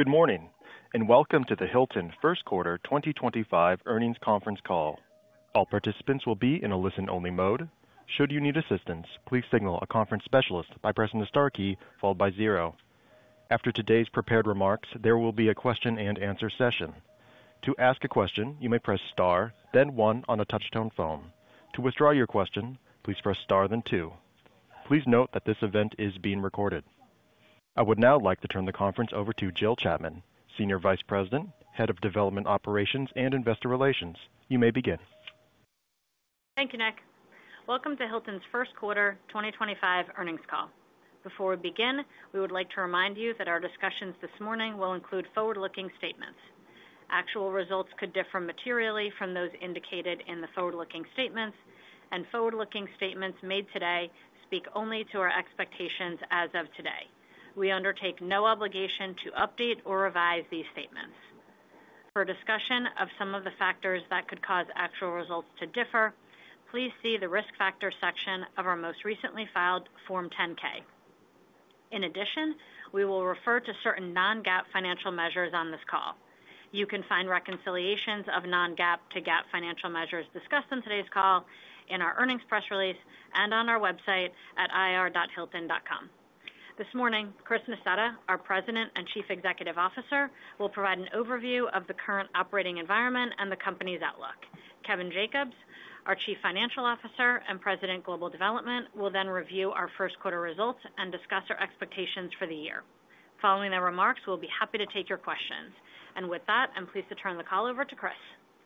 Good morning, and welcome to the Hilton First Quarter 2025 earnings conference call. All participants will be in a listen-only mode. Should you need assistance, please signal a conference specialist by pressing the star key followed by zero. After today's prepared remarks, there will be a question-and-answer session. To ask a question, you may press star, then one on a touch-tone phone. To withdraw your question, please press star, then two. Please note that this event is being recorded. I would now like to turn the conference over to Jill Chapman, Senior Vice President, Head of Development Operations and Investor Relations. You may begin. Thank you, Nick. Welcome to Hilton's First Quarter 2025 earnings call. Before we begin, we would like to remind you that our discussions this morning will include forward-looking statements. Actual results could differ materially from those indicated in the forward-looking statements, and forward-looking statements made today speak only to our expectations as of today. We undertake no obligation to update or revise these statements. For discussion of some of the factors that could cause actual results to differ, please see the risk factor section of our most recently filed Form 10-K. In addition, we will refer to certain non-GAAP financial measures on this call. You can find reconciliations of non-GAAP to GAAP financial measures discussed in today's call in our earnings press release and on our website at ir.hilton.com. This morning, Chris Nassetta, our President and Chief Executive Officer, will provide an overview of the current operating environment and the company's outlook. Kevin Jacobs, our Chief Financial Officer and President Global Development, will then review our first quarter results and discuss our expectations for the year. Following their remarks, we'll be happy to take your questions. I'm pleased to turn the call over to Chris.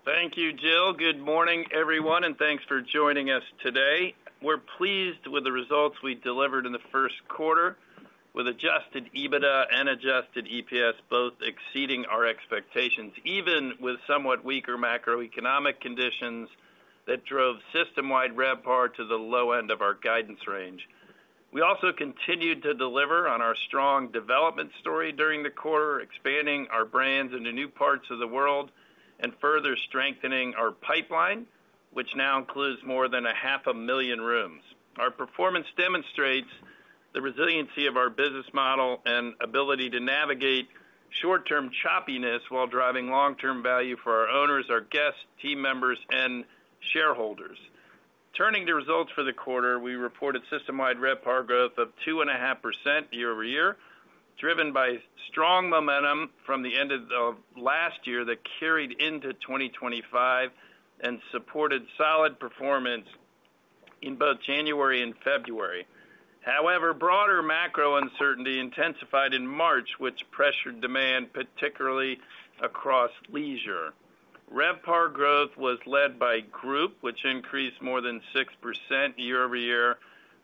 Thank you, Jill. Good morning, everyone, and thanks for joining us today. We're pleased with the results we delivered in the first quarter, with adjusted EBITDA and adjusted EPS both exceeding our expectations, even with somewhat weaker macroeconomic conditions that drove system-wide RevPAR to the low end of our guidance range. We also continued to deliver on our strong development story during the quarter, expanding our brands into new parts of the world and further strengthening our pipeline, which now includes more than 500,000 rooms. Our performance demonstrates the resiliency of our business model and ability to navigate short-term choppiness while driving long-term value for our owners, our guests, team members, and shareholders. Turning to results for the quarter, we reported system-wide RevPAR growth of 2.5% year-over-year, driven by strong momentum from the end of last year that carried into 2024 and supported solid performance in both January and February. However, broader macro uncertainty intensified in March, which pressured demand, particularly across Leisure. RevPAR growth was led by group, which increased more than 6% year-over-year,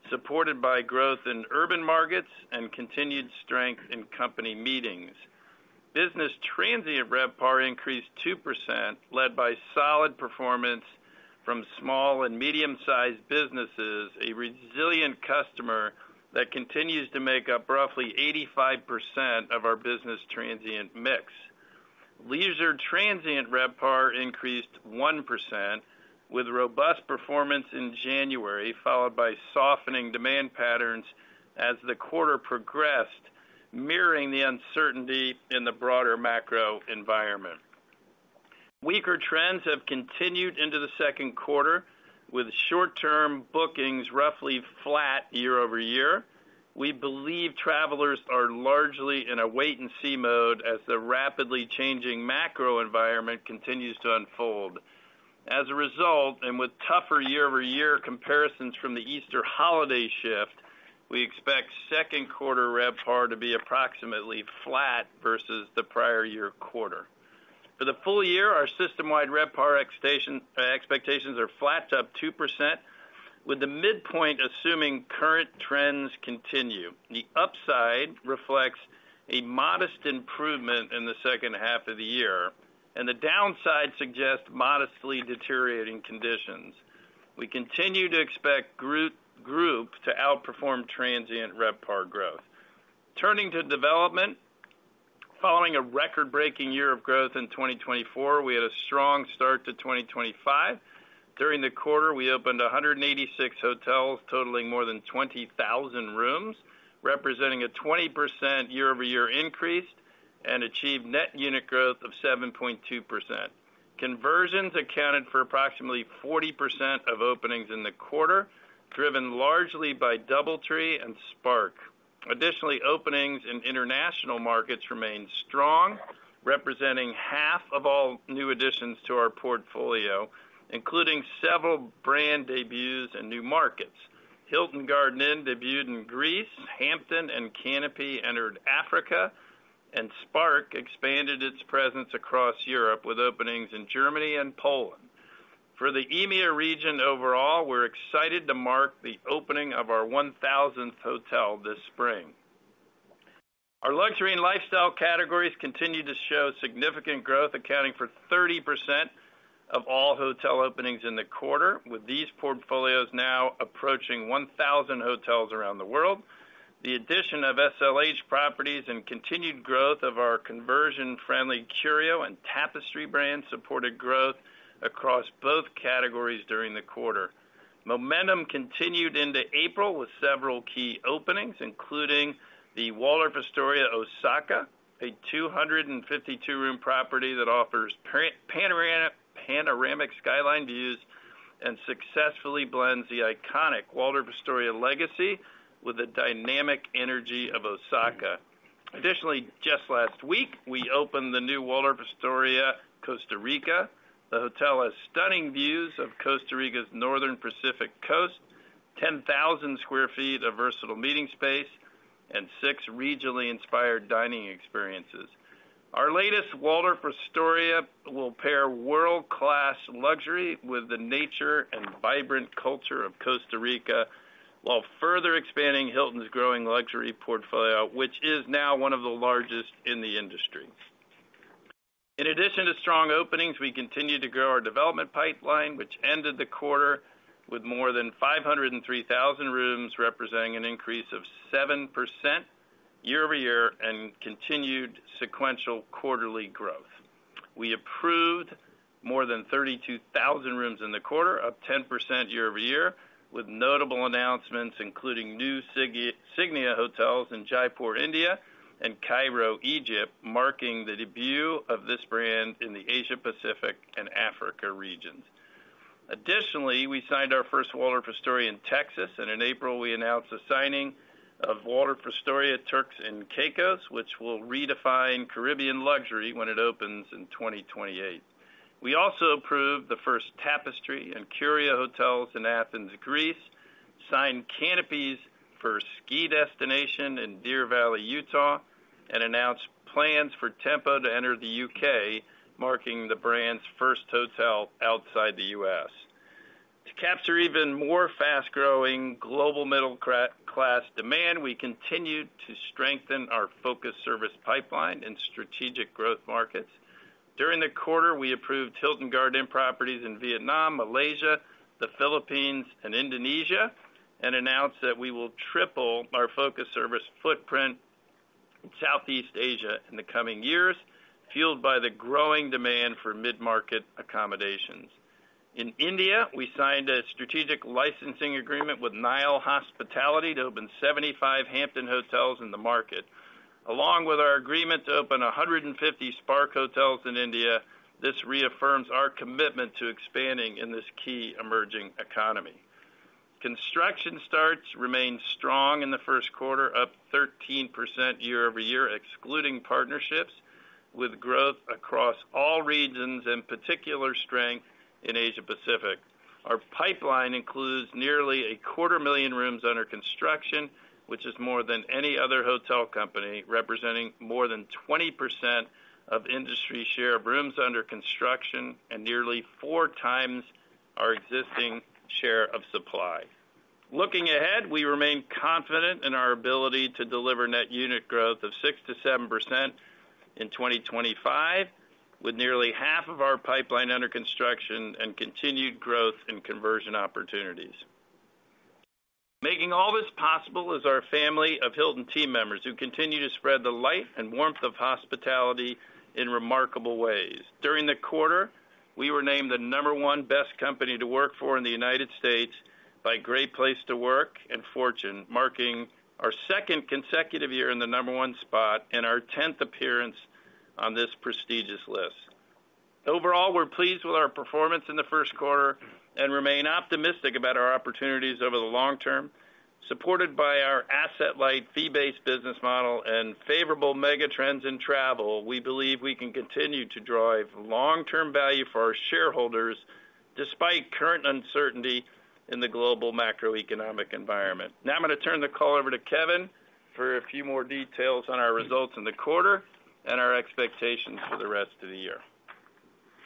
supported by growth in urban markets and continued strength in company meetings. Business Transient RevPAR increased 2%, led by solid performance from small and medium-sized businesses, a resilient customer that continues to make up roughly 85% of our Business Transient mix. Leisure Transient RevPAR increased 1%, with robust performance in January, followed by softening demand patterns as the quarter progressed, mirroring the uncertainty in the broader macro environment. Weaker trends have continued into the second quarter, with short-term bookings roughly flat year-over-year. We believe travelers are largely in a wait-and-see mode as the rapidly changing macro environment continues to unfold. As a result, and with tougher year-over-year comparisons from the Easter holiday shift, we expect second quarter RevPAR to be approximately flat versus the prior year quarter. For the full year, our system-wide RevPAR expectations are flat to up 2%, with the midpoint assuming current trends continue. The upside reflects a modest improvement in the second half of the year, and the downside suggests modestly deteriorating conditions. We continue to expect Group to outperform Transient RevPAR growth. Turning to development, following a record-breaking year of growth in 2024, we had a strong start to 2025. During the quarter, we opened 186 hotels totaling more than 20,000 rooms, representing a 20% year-over-year increase and achieved net unit growth of 7.2%. Conversions accounted for approximately 40% of openings in the quarter, driven largely by DoubleTree and Spark. Additionally, openings in international markets remained strong, representing half of all new additions to our portfolio, including several brand debuts in new markets. Hilton Garden Inn debuted in Greece, Hampton and Canopy entered Africa, and Spark expanded its presence across Europe with openings in Germany and Poland. For the EMEA region overall, we're excited to mark the opening of our 1,000th hotel this spring. Our luxury and lifestyle categories continue to show significant growth, accounting for 30% of all hotel openings in the quarter, with these portfolios now approaching 1,000 hotels around the world. The addition of SLH properties and continued growth of our conversion-friendly Curio and Tapestry brands supported growth across both categories during the quarter. Momentum continued into April with several key openings, including the Waldorf Astoria Osaka, a 252-room property that offers panoramic skyline views and successfully blends the iconic Waldorf Astoria legacy with the dynamic energy of Osaka. Additionally, just last week, we opened the new Waldorf Astoria Costa Rica. The hotel has stunning views of Costa Rica's northern Pacific coast, 10,000 sq ft of versatile meeting space, and six regionally inspired dining experiences. Our latest Waldorf Astoria will pair world-class luxury with the nature and vibrant culture of Costa Rica while further expanding Hilton's growing luxury portfolio, which is now one of the largest in the industry. In addition to strong openings, we continue to grow our development pipeline, which ended the quarter with more than 503,000 rooms, representing an increase of 7% year-over-year and continued sequential quarterly growth. We approved more than 32,000 rooms in the quarter, up 10% year-over-year, with notable announcements including new Signia hotels in Jaipur, India, and Cairo, Egypt, marking the debut of this brand in the Asia-Pacific and Africa regions. Additionally, we signed our first Waldorf Astoria in Texas, and in April, we announced the signing of Waldorf Astoria Turks and Caicos, which will redefine Caribbean luxury when it opens in 2028. We also approved the first Tapestry and Curio hotels in Athens, Greece, signed Canopy hotels for a ski destination in Deer Valley, Utah, and announced plans for Tempo to enter the U.K., marking the brand's first hotel outside the U.S. To capture even more fast-growing global middle-class demand, we continue to strengthen our focus service pipeline in strategic growth markets. During the quarter, we approved Hilton Garden Inn properties in Vietnam, Malaysia, the Philippines, and Indonesia, and announced that we will triple our focus service footprint in Southeast Asia in the coming years, fueled by the growing demand for mid-market accommodations. In India, we signed a strategic licensing agreement with Nile Hospitality to open 75 Hampton hotels in the market. Along with our agreement to open 150 Spark hotels in India, this reaffirms our commitment to expanding in this key emerging economy. Construction starts remained strong in the first quarter, up 13% year-over-year, excluding partnerships, with growth across all regions and particular strength in Asia-Pacific. Our pipeline includes nearly a quarter million rooms under construction, which is more than any other hotel company, representing more than 20% of industry share of rooms under construction and nearly four times our existing share of supply. Looking ahead, we remain confident in our ability to deliver net unit growth of 6%-7% in 2025, with nearly half of our pipeline under construction and continued growth in conversion opportunities. Making all this possible is our family of Hilton team members who continue to spread the light and warmth of hospitality in remarkable ways. During the quarter, we were named the number one best company to work for in the United States by Great Place to Work and Fortune, marking our second consecutive year in the number one spot and our tenth appearance on this prestigious list. Overall, we're pleased with our performance in the first quarter and remain optimistic about our opportunities over the long term. Supported by our asset-light, fee-based business model and favorable megatrends in travel, we believe we can continue to drive long-term value for our shareholders despite current uncertainty in the global macroeconomic environment. Now I'm going to turn the call over to Kevin for a few more details on our results in the quarter and our expectations for the rest of the year.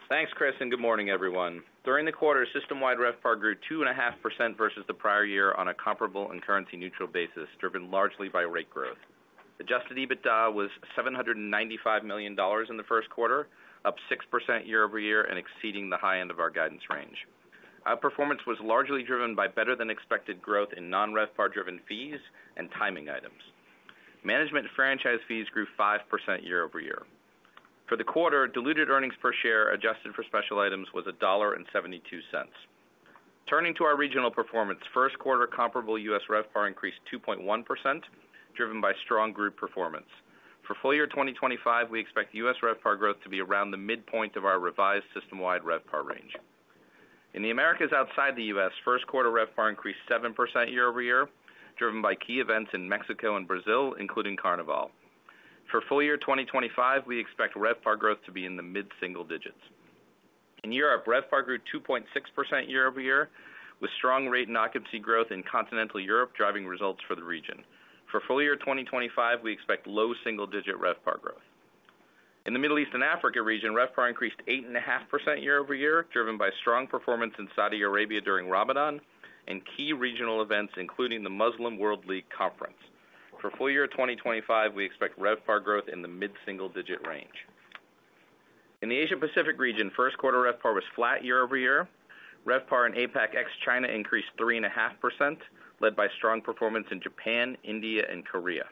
Thanks, Chris, and good morning, everyone. During the quarter, system-wide RevPAR grew 2.5% versus the prior year on a comparable and currency-neutral basis, driven largely by rate growth. Adjusted EBITDA was $795 million in the first quarter, up 6% year-over-year and exceeding the high end of our guidance range. Our performance was largely driven by better-than-expected growth in non-RevPAR driven fees and timing items. Management franchise fees grew 5% year-over-year. For the quarter, diluted earnings per share adjusted for special items was $1.72. Turning to our regional performance, first quarter comparable U.S. RevPAR increased 2.1%, driven by strong group performance. For full year 2025, we expect U.S. RevPAR growth to be around the midpoint of our revised system-wide RevPAR range. In the Americas outside the U.S., first quarter RevPAR increased 7% year-over-year, driven by key events in Mexico and Brazil, including Carnival. For full year 2025, we expect RevPAR growth to be in the mid-single digits. In Europe, RevPAR grew 2.6% year-over-year, with strong rate and occupancy growth in Continental Europe driving results for the region. For full year 2025, we expect low single-digit RevPAR growth. In the Middle East and Africa region, RevPAR increased 8.5% year-over year, driven by strong performance in Saudi Arabia during Ramadan and key regional events, including the Muslim World League Conference. For full year 2025, we expect RevPAR growth in the mid-single digit range. In the Asia-Pacific region, first quarter RevPAR was flat year-over-year. RevPAR in APAC ex China increased 3.5%, led by strong performance in Japan, India, and Korea.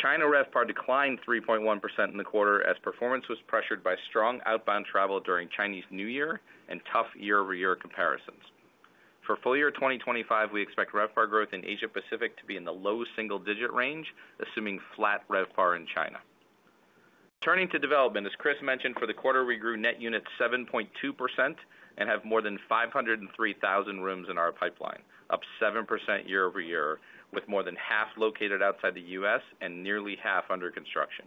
China RevPAR declined 3.1% in the quarter as performance was pressured by strong outbound travel during Chinese New Year and tough year-over-year comparisons. For full year 2025, we expect RevPAR growth in Asia-Pacific to be in the low single-digit range, assuming flat RevPAR in China. Turning to development, as Chris mentioned, for the quarter, we grew net units 7.2% and have more than 503,000 rooms in our pipeline, up 7% year-over-year, with more than half located outside the U.S. and nearly half under construction.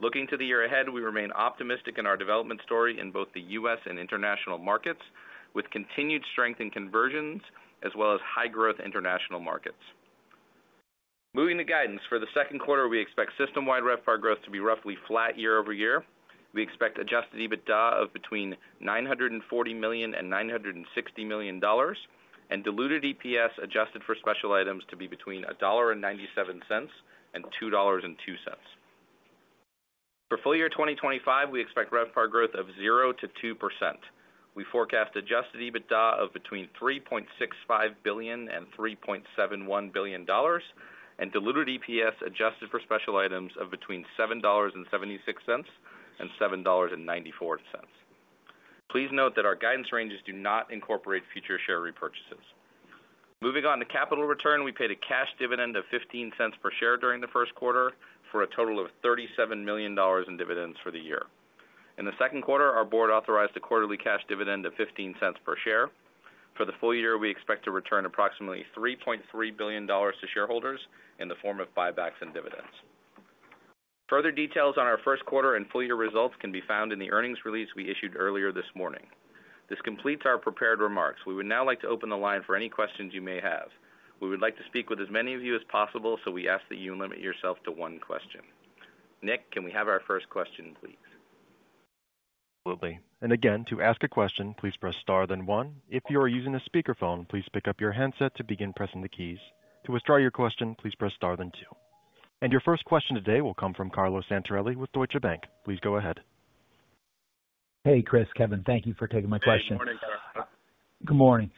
Looking to the year ahead, we remain optimistic in our development story in both the U.S. and international markets, with continued strength in conversions as well as high growth international markets. Moving to guidance, for the second quarter, we expect system-wide RevPAR growth to be roughly flat year-over-year. We expect adjusted EBITDA of between $940 million and $960 million and diluted EPS adjusted for special items to be between $1.97 and $2.02. For full year 2025, we expect RevPAR growth of 0%-2%. We forecast adjusted EBITDA of between $3.65 billion and $3.71 billion and diluted EPS adjusted for special items of between $7.76 and $7.94. Please note that our guidance ranges do not incorporate future share repurchases. Moving on to capital return, we paid a cash dividend of $0.15 per share during the first quarter for a total of $37 million in dividends for the year. In the second quarter, our board authorized a quarterly cash dividend of $0.15 per share. For the full year, we expect to return approximately $3.3 billion to shareholders in the form of buybacks and dividends. Further details on our first quarter and full year results can be found in the earnings release we issued earlier this morning. This completes our prepared remarks. We would now like to open the line for any questions you may have. We would like to speak with as many of you as possible, so we ask that you limit yourself to one question. Nick, can we have our first question, please? Absolutely. To ask a question, please press star then one. If you are using a speakerphone, please pick up your handset to begin pressing the keys. To withdraw your question, please press star then two. Your first question today will come from Carlo Santarelli with Deutsche Bank. Please go ahead. Hey, Chris, Kevin, thank you for taking my question. Good morning, Kevin. Good morning.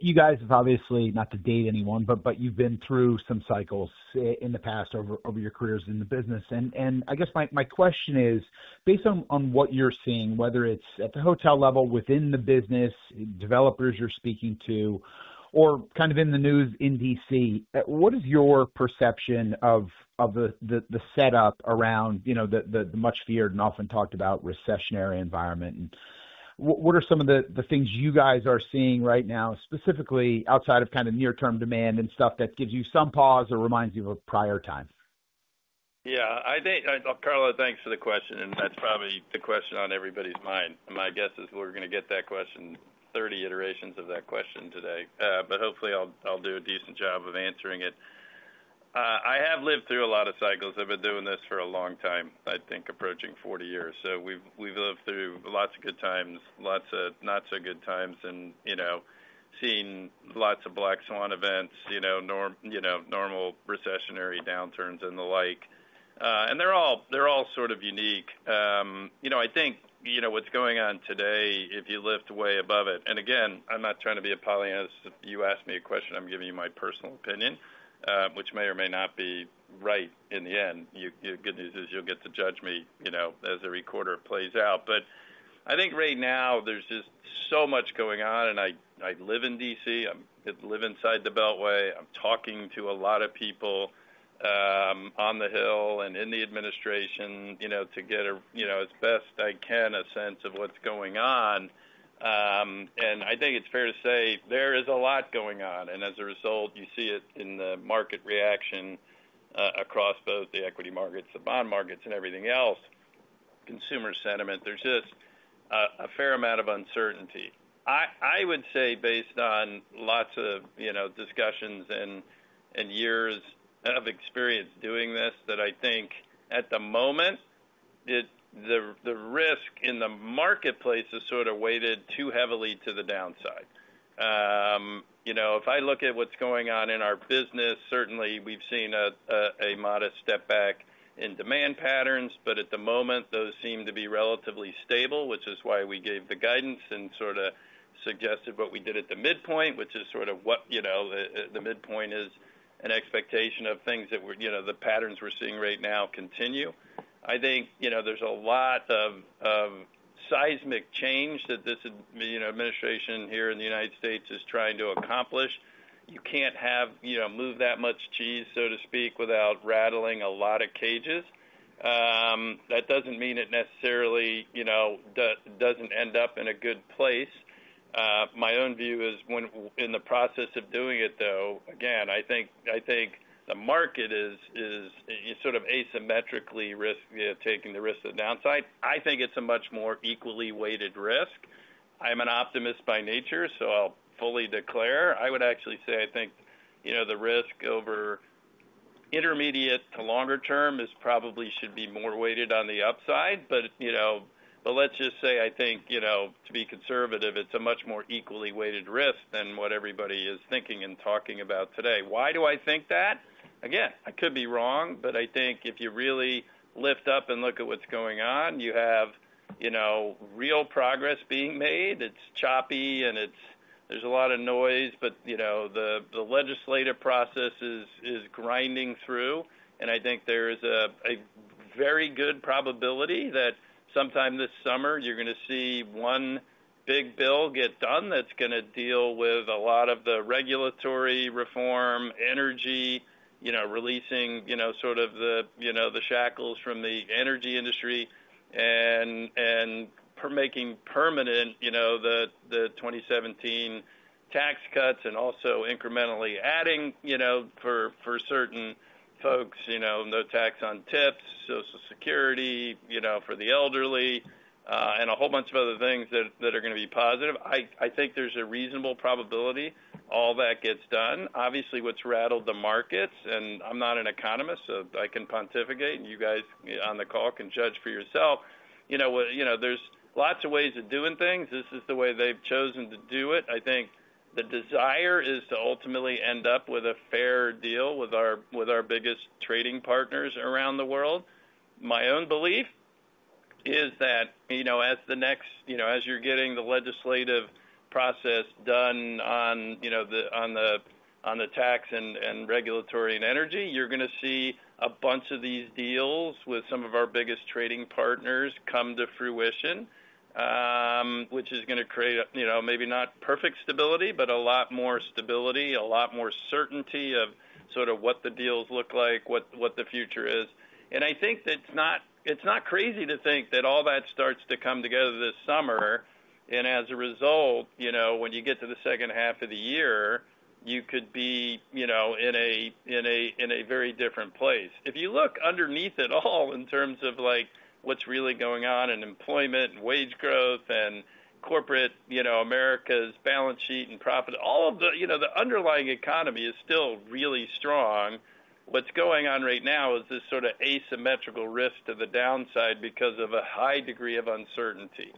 You guys have obviously not to date anyone, but you've been through some cycles in the past over your careers in the business. I guess my question is, based on what you're seeing, whether it's at the hotel level within the business, developers you're speaking to, or kind of in the news in D.C., what is your perception of the setup around the much-feared and often talked about recessionary environment? What are some of the things you guys are seeing right now, specifically outside of kind of near-term demand and stuff that gives you some pause or reminds you of a prior time? Yeah. Carlo, thanks for the question. That's probably the question on everybody's mind. My guess is we're going to get that question 30 iterations of that question today. Hopefully, I'll do a decent job of answering it. I have lived through a lot of cycles. I've been doing this for a long time, I think approaching 40 years. We've lived through lots of good times, lots of not-so-good times, and seen lots of black swan events, normal recessionary downturns, and the like. They're all sort of unique. I think what's going on today, if you lift way above it, and again, I'm not trying to be a Pollyanna. If you ask me a question, I'm giving you my personal opinion, which may or may not be right in the end. The good news is you'll get to judge me as the recorder plays out. I think right now, there's just so much going on. I live in D.C., I live inside the Beltway. I'm talking to a lot of people on the Hill and in the administration to get as best I can a sense of what's going on. I think it's fair to say there is a lot going on. As a result, you see it in the market reaction across both the equity markets, the bond markets, and everything else, consumer sentiment. There's just a fair amount of uncertainty. I would say, based on lots of discussions and years of experience doing this, that I think at the moment, the risk in the marketplace is sort of weighted too heavily to the downside. If I look at what's going on in our business, certainly, we've seen a modest step back in demand patterns. At the moment, those seem to be relatively stable, which is why we gave the guidance and sort of suggested what we did at the midpoint, which is sort of what the midpoint is, an expectation of things that the patterns we're seeing right now continue. I think there's a lot of seismic change that this administration here in the U.S. is trying to accomplish. You can't move that much cheese, so to speak, without rattling a lot of cages. That doesn't mean it necessarily doesn't end up in a good place. My own view is in the process of doing it, though, again, I think the market is sort of asymmetrically risk-taking the risk of the downside. I think it's a much more equally weighted risk. I'm an optimist by nature, so I'll fully declare. I would actually say I think the risk over intermediate to longer term probably should be more weighted on the upside. I think to be conservative, it's a much more equally weighted risk than what everybody is thinking and talking about today. Why do I think that? Again, I could be wrong, but I think if you really lift up and look at what's going on, you have real progress being made. It's choppy and there's a lot of noise, but the legislative process is grinding through. I think there is a very good probability that sometime this summer, you're going to see one big bill get done that's going to deal with a lot of the regulatory reform, energy releasing sort of the shackles from the energy industry and making permanent the 2017 tax cuts and also incrementally adding for certain folks no tax on tips, Social Security for the elderly, and a whole bunch of other things that are going to be positive. I think there's a reasonable probability all that gets done. Obviously, what's rattled the markets, and I'm not an economist, so I can pontificate, and you guys on the call can judge for yourself. There's lots of ways of doing things. This is the way they've chosen to do it. I think the desire is to ultimately end up with a fair deal with our biggest trading partners around the world. My own belief is that as the next as you're getting the legislative process done on the tax and regulatory and energy, you're going to see a bunch of these deals with some of our biggest trading partners come to fruition, which is going to create maybe not perfect stability, but a lot more stability, a lot more certainty of sort of what the deals look like, what the future is. I think that it's not crazy to think that all that starts to come together this summer. As a result, when you get to the second half of the year, you could be in a very different place. If you look underneath it all in terms of what's really going on in employment and wage growth and corporate America's balance sheet and profit, all of the underlying economy is still really strong. What's going on right now is this sort of asymmetrical risk to the downside because of a high degree of uncertainty.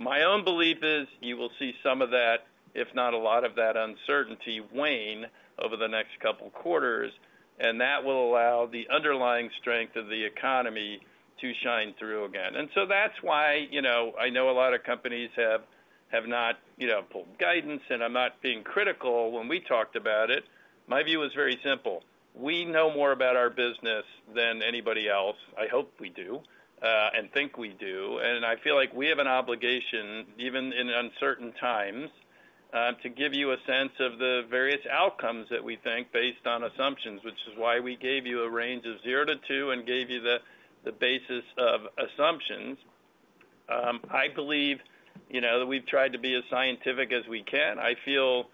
My own belief is you will see some of that, if not a lot of that uncertainty wane over the next couple of quarters, and that will allow the underlying strength of the economy to shine through again. That is why I know a lot of companies have not pulled guidance, and I'm not being critical when we talked about it. My view is very simple. We know more about our business than anybody else. I hope we do and think we do. I feel like we have an obligation, even in uncertain times, to give you a sense of the various outcomes that we think based on assumptions, which is why we gave you a range of zero to two and gave you the basis of assumptions. I believe that we've tried to be as scientific as we can. I feel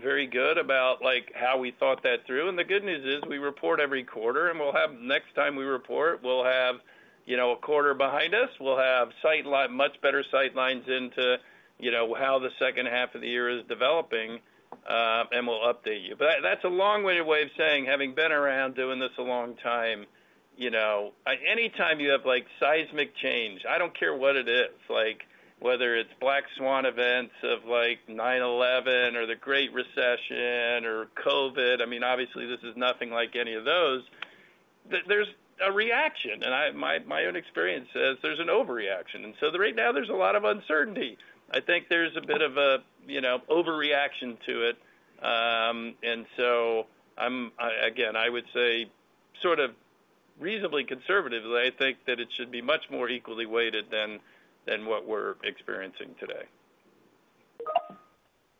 very good about how we thought that through. The good news is we report every quarter, and next time we report, we'll have a quarter behind us. We'll have much better sight lines into how the second half of the year is developing, and we'll update you. That is a long-winded way of saying having been around doing this a long time. Anytime you have seismic change, I don't care what it is, whether it's black swan events of 9/11 or the Great Recession or COVID. I mean, obviously, this is nothing like any of those. There's a reaction. My own experience says there's an overreaction. Right now, there's a lot of uncertainty. I think there's a bit of an overreaction to it. Again, I would say sort of reasonably conservatively, I think that it should be much more equally weighted than what we're experiencing today.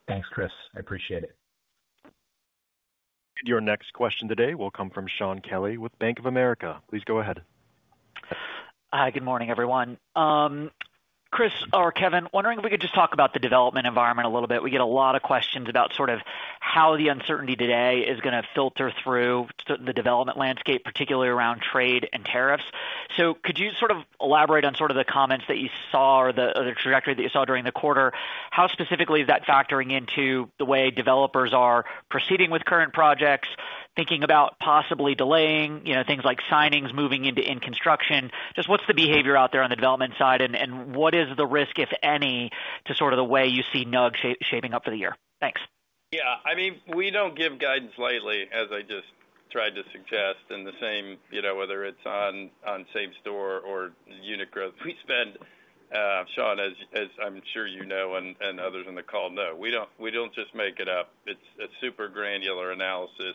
Thanks, Chris. I appreciate it. Your next question today will come from Shaun Kelly with Bank of America. Please go ahead. Hi, good morning, everyone. Chris or Kevin, wondering if we could just talk about the development environment a little bit. We get a lot of questions about sort of how the uncertainty today is going to filter through the development landscape, particularly around trade and tariffs. Could you sort of elaborate on sort of the comments that you saw or the trajectory that you saw during the quarter? How specifically is that factoring into the way developers are proceeding with current projects, thinking about possibly delaying things like signings moving into in-construction? Just what's the behavior out there on the development side and what is the risk, if any, to sort of the way you see NUG shaping up for the year? Thanks. Yeah. I mean, we don't give guidance lightly, as I just tried to suggest, in the same, whether it's on same-store or unit growth. Shaun, as I'm sure you know and others on the call know, we don't just make it up. It's a super granular analysis.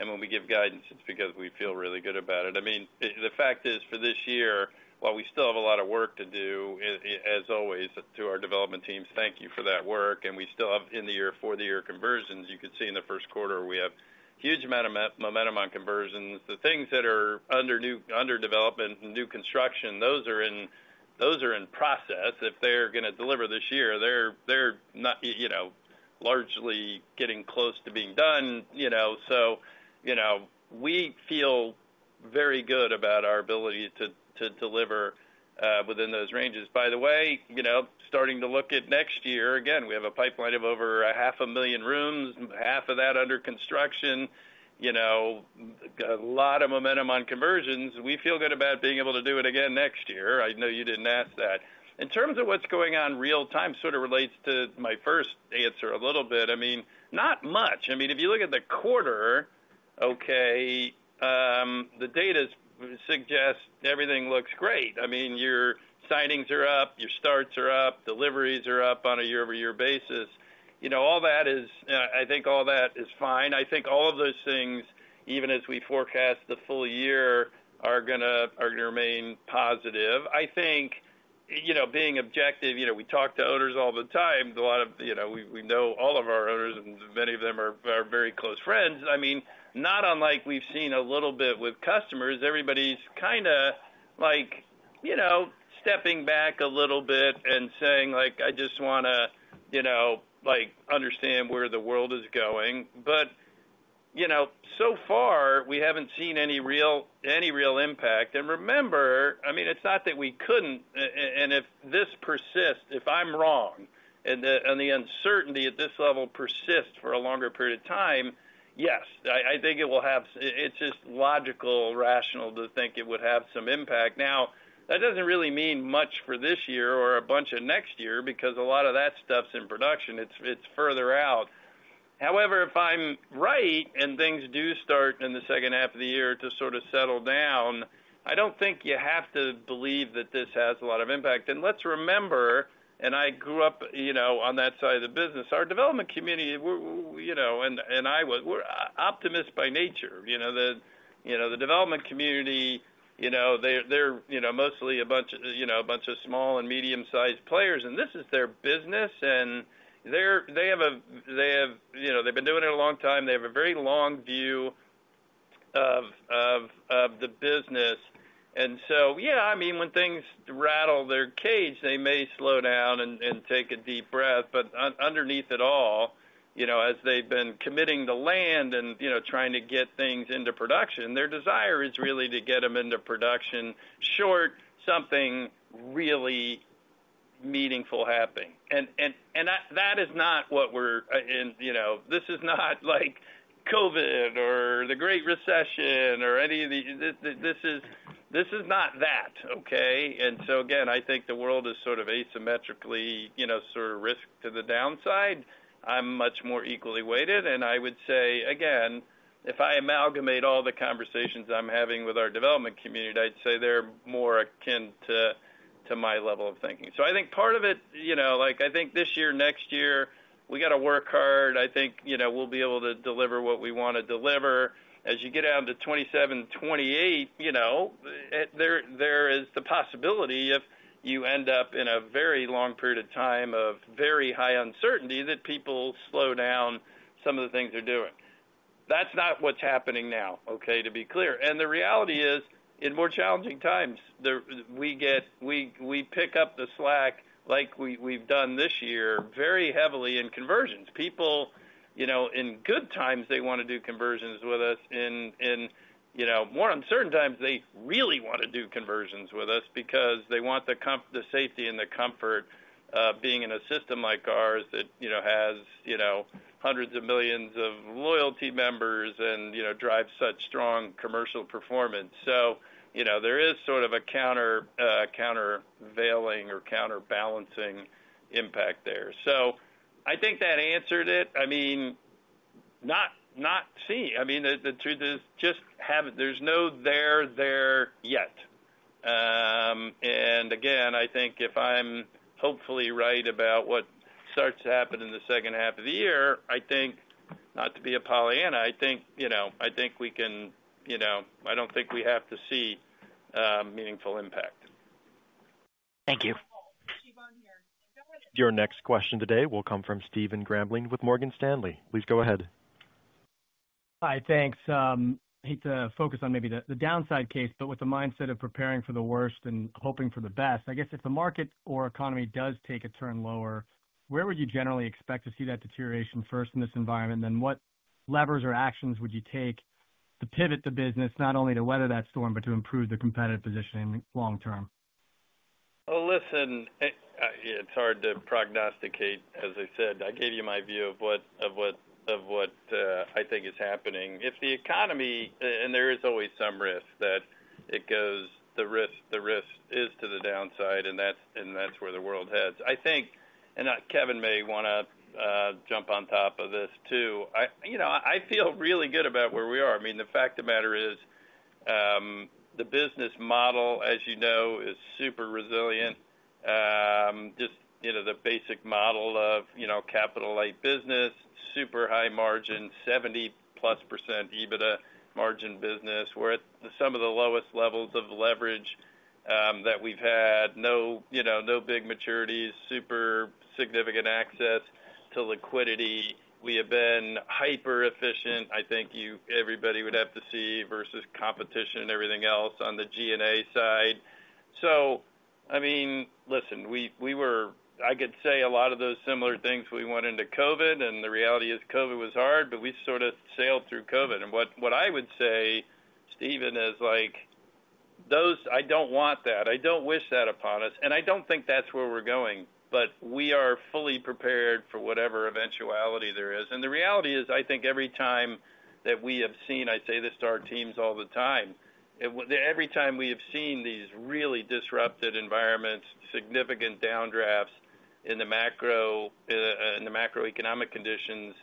When we give guidance, it's because we feel really good about it. I mean, the fact is, for this year, while we still have a lot of work to do, as always, to our development teams, thank you for that work. We still have in-the-year, four-the-year conversions. You could see in the first quarter, we have a huge amount of momentum on conversions. The things that are under development, new construction, those are in process. If they're going to deliver this year, they're largely getting close to being done. We feel very good about our ability to deliver within those ranges. By the way, starting to look at next year, again, we have a pipeline of over 500,000 rooms, half of that under construction, a lot of momentum on conversions. We feel good about being able to do it again next year. I know you didn't ask that. In terms of what's going on real-time, sort of relates to my first answer a little bit. I mean, not much. I mean, if you look at the quarter, the data suggests everything looks great. I mean, your signings are up, your starts are up, deliveries are up on a year-over-year basis. I think all that is fine. I think all of those things, even as we forecast the full year, are going to remain positive. I think being objective, we talk to owners all the time. We know all of our owners, and many of them are very close friends. I mean, not unlike we've seen a little bit with customers, everybody's kind of stepping back a little bit and saying, "I just want to understand where the world is going." So far, we haven't seen any real impact. And remember, I mean, it's not that we couldn't. If this persists, if I'm wrong, and the uncertainty at this level persists for a longer period of time, yes, I think it will have, it's just logical, rational to think it would have some impact. Now, that doesn't really mean much for this year or a bunch of next year because a lot of that stuff's in production. It's further out. However, if I'm right and things do start in the second half of the year to sort of settle down, I don't think you have to believe that this has a lot of impact. Let's remember, and I grew up on that side of the business, our development community, and I was, we're optimists by nature. The development community, they're mostly a bunch of small and medium-sized players, and this is their business. They have been doing it a long time. They have a very long view of the business. Yeah, I mean, when things rattle their cage, they may slow down and take a deep breath. Underneath it all, as they've been committing to land and trying to get things into production, their desire is really to get them into production short something really meaningful happening. That is not what we're this is not like COVID or the Great Recession or any of these. This is not that, okay? I think the world is sort of asymmetrically sort of risked to the downside. I'm much more equally weighted. I would say, again, if I amalgamate all the conversations I'm having with our development community, I'd say they're more akin to my level of thinking. I think part of it, I think this year, next year, we got to work hard. I think we'll be able to deliver what we want to deliver. As you get down to 2027-2028, there is the possibility if you end up in a very long period of time of very high uncertainty that people slow down some of the things they're doing. That's not what's happening now, okay, to be clear. The reality is, in more challenging times, we pick up the slack like we've done this year very heavily in conversions. People, in good times, they want to do conversions with us. In more uncertain times, they really want to do conversions with us because they want the safety and the comfort of being in a system like ours that has hundreds of millions of loyalty members and drives such strong commercial performance. There is sort of a countervailing or counterbalancing impact there. I think that answered it. I mean, not seeing. I mean, the truth is just there's no there, there. Yet. Again, I think if I'm hopefully right about what starts to happen in the second half of the year, I think, not to be a Pollyanna, I think we can I don't think we have to see meaningful impact. Thank you. Your next question today will come from Stephen Grambling with Morgan Stanley. Please go ahead. Hi, thanks. I hate to focus on maybe the downside case, but with the mindset of preparing for the worst and hoping for the best, I guess if the market or economy does take a turn lower, where would you generally expect to see that deterioration first in this environment? What levers or actions would you take to pivot the business not only to weather that storm, but to improve the competitive positioning long-term? Oh, listen, it's hard to prognosticate. As I said, I gave you my view of what I think is happening. If the economy—and there is always some risk—that it goes, the risk is to the downside, and that's where the world heads. I think—Kevin may want to jump on top of this too—I feel really good about where we are. I mean, the fact of the matter is the business model, as you know, is super resilient. Just the basic model of capital-light business, super high margin, 70+ EBITDA margin business. We're at some of the lowest levels of leverage that we've had. No big maturities, super significant access to liquidity. We have been hyper-efficient, I think everybody would have to see, versus competition and everything else on the G&A side. I could say a lot of those similar things we went into COVID. The reality is COVID was hard, but we sort of sailed through COVID. What I would say, Stephen, is I do not want that. I do not wish that upon us. I do not think that is where we are going. We are fully prepared for whatever eventuality there is. The reality is, I think every time that we have seen—I say this to our teams all the time—every time we have seen these really disrupted environments, significant downdrafts in the macroeconomic conditions,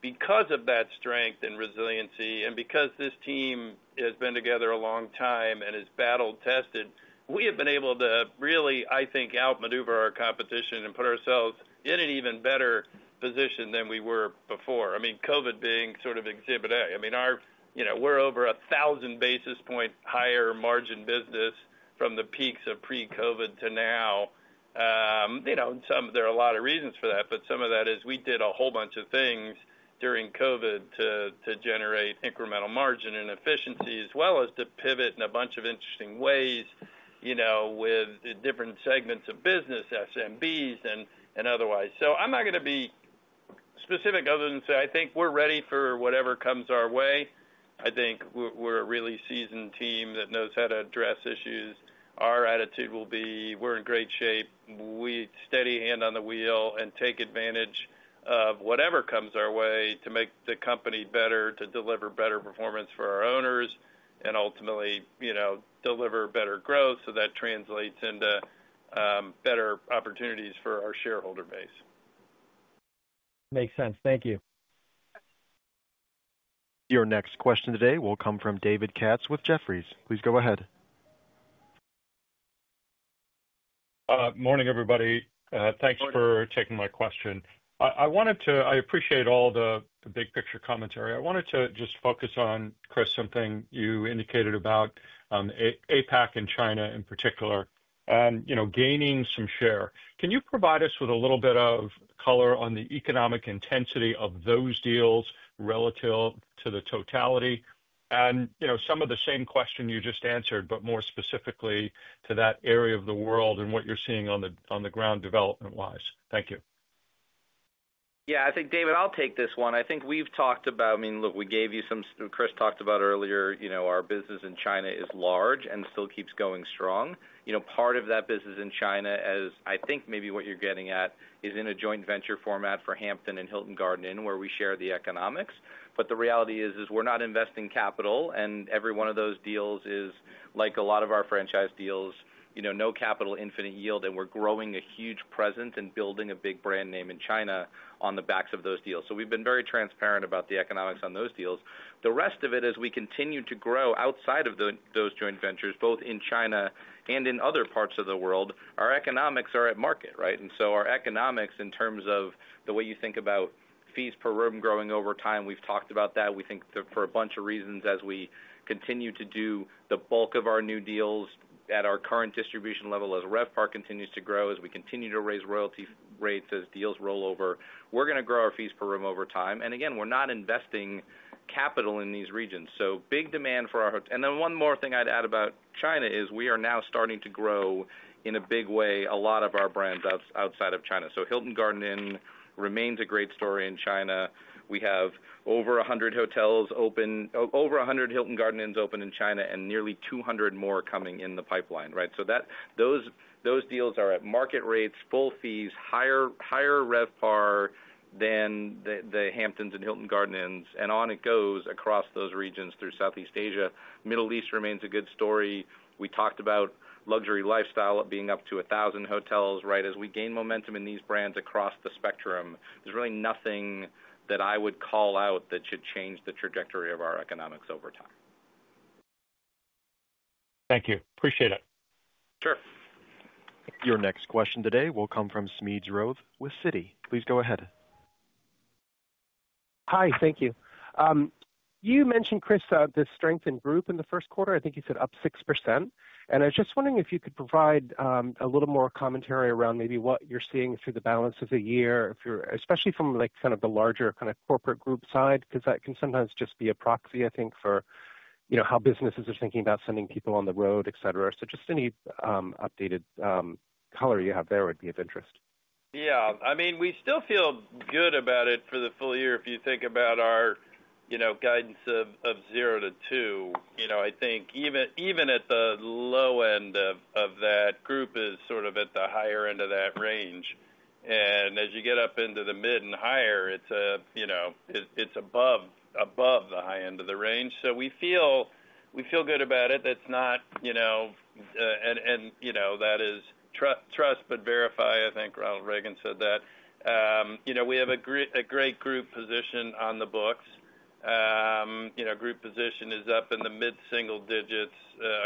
because of that strength and resiliency and because this team has been together a long time and has battled, tested, we have been able to really, I think, outmaneuver our competition and put ourselves in an even better position than we were before. I mean, COVID being sort of exhibit A. I mean, we're over a thousand basis points higher margin business from the peaks of pre-COVID to now. There are a lot of reasons for that, but some of that is we did a whole bunch of things during COVID to generate incremental margin and efficiency, as well as to pivot in a bunch of interesting ways with different segments of business, SMBs and otherwise. I'm not going to be specific other than to say I think we're ready for whatever comes our way. I think we're a really seasoned team that knows how to address issues. Our attitude will be we're in great shape. We steady hand on the wheel and take advantage of whatever comes our way to make the company better, to deliver better performance for our owners, and ultimately deliver better growth so that translates into better opportunities for our shareholder base. Makes sense. Thank you. Your next question today will come from David Katz with Jefferies. Please go ahead. Morning, everybody. Thanks for taking my question. I appreciate all the big-picture commentary. I wanted to just focus on, Chris, something you indicated about APAC and China in particular and gaining some share. Can you provide us with a little bit of color on the economic intensity of those deals relative to the totality and some of the same question you just answered, but more specifically to that area of the world and what you're seeing on the ground development-wise? Thank you. Yeah. I think, David, I'll take this one. I think we've talked about—I mean, look, we gave you some—Chris talked about earlier our business in China is large and still keeps going strong. Part of that business in China, as I think maybe what you're getting at, is in a joint venture format for Hampton and Hilton Garden Inn, where we share the economics. The reality is we're not investing capital. Every one of those deals is, like a lot of our franchise deals, no capital, infinite yield. We're growing a huge presence and building a big brand name in China on the backs of those deals. We've been very transparent about the economics on those deals. The rest of it is we continue to grow outside of those joint ventures, both in China and in other parts of the world. Our economics are at market, right? Our economics, in terms of the way you think about fees per room growing over time, we've talked about that. We think for a bunch of reasons, as we continue to do the bulk of our new deals at our current distribution level, as RevPAR continues to grow, as we continue to raise royalty rates, as deals roll over, we're going to grow our fees per room over time. Again, we're not investing capital in these regions. Big demand for our—and then one more thing I'd add about China is we are now starting to grow in a big way a lot of our brands outside of China. Hilton Garden Inn remains a great story in China. We have over 100 Hilton Garden Inns open in China and nearly 200 more coming in the pipeline, right? Those deals are at market rates, full fees, higher RevPAR than the Hamptons and Hilton Garden Inns, and on it goes across those regions through Southeast Asia. Middle East remains a good story. We talked about luxury lifestyle being up to 1,000 hotels, right? As we gain momentum in these brands across the spectrum, there's really nothing that I would call out that should change the trajectory of our economics over time. Thank you. Appreciate it. Sure. Your next question today will come from Smedes Rose with Citi. Please go ahead. Hi. Thank you. You mentioned, Chris, the strength in group in the first quarter. I think you said up 6%. I was just wondering if you could provide a little more commentary around maybe what you're seeing through the balance of the year, especially from kind of the larger kind of corporate group side, because that can sometimes just be a proxy, I think, for how businesses are thinking about sending people on the road, etc. Just any updated color you have there would be of interest. Yeah. I mean, we still feel good about it for the full year. If you think about our guidance of 0%-2%, I think even at the low end of that, group is sort of at the higher end of that range. As you get up into the mid and higher, it is above the high end of the range. We feel good about it. It is not—and that is trust, but verify, I think Ronald Reagan said that. We have a great group position on the books. Group position is up in the mid-single digits